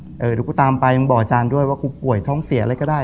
เดี๋ยวกูตามไปมึงบอกอาจารย์ด้วยว่ากูป่วยท้องเสียอะไรก็ได้